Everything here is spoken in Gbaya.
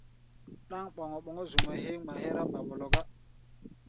Ɗáŋ ɓɔm-ɓɔ́m zu-mɛ́ héé mɛ nɛ́ ŋma hɛ́rá ɓaɓɔlɔ gá.